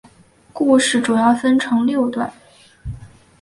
故事主要分成六段以讲述六篇发生在美国边界的西部故事。